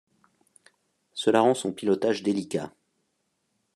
Cela rend son pilotage délicat.